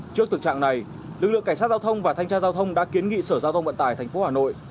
trước thực trạng này lực lượng cảnh sát giao thông và thanh tra giao thông đã kiến nghị sở giao thông vận tải tp hà nội